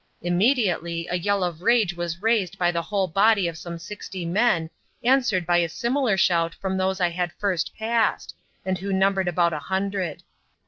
Immediately a yell of rage was raised by the whole body of some sixty men, answered by a similar shout from those I had first passed, and who numbered about a hundred.